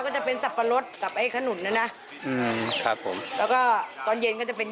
ก็จะเป็นสับปะรดกับไอ้ขนุนน่ะนะอืมครับผมแล้วก็ตอนเย็นก็จะเป็น